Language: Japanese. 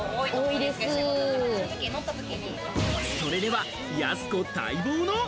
それでは、やす子待望の。